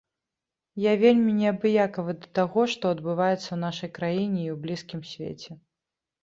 Я вельмі неабыякавы да таго, што адбываецца ў нашай краіне і ў блізкім свеце.